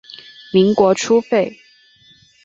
民国初废。